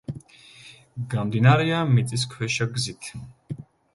გამდინარეა მიწისქვეშა გზით.